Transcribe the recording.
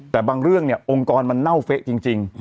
แต่บางเรื่องเนี่ยองค์กรมันเน่าเฟะจริง